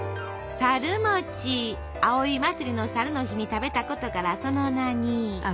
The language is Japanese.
葵祭の申の日に食べたことからその名に。